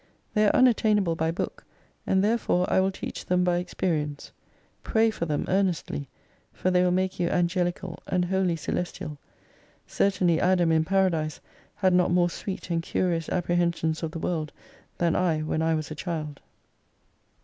They are unattainable by book, and therefore I will teach them by experience. Pray for them earnestly : for they will make you angelical, and wholly celestial. Certainly Adam in Paradise had not more sweet and curious apprehensions of^ the world, than I when I was a child.